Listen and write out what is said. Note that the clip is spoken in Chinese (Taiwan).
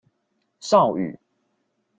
邵語